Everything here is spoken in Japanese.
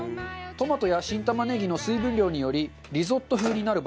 トマトや新玉ねぎの水分量によりリゾット風になる場合も。